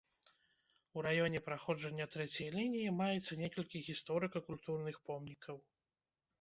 У раёне праходжання трэцяй лініі маецца некалькі гісторыка-культурных помнікаў.